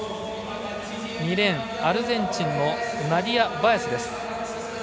２レーン、アルゼンチンのナディア・バエス。